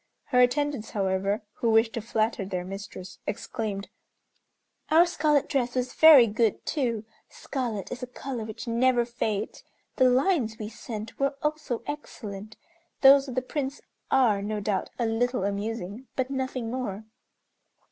Her attendants, however, who wished to flatter their mistress, exclaimed, "Our scarlet dress was very good, too. Scarlet is a color which never fades. The lines we sent were also excellent. Those of the Prince are, no doubt, a little amusing, but nothing more."